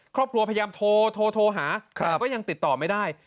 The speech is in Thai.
ครอบครัวพยายามโทรหาแต่ก็ยังติดต่อไม่ได้